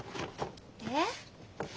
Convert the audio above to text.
えっ？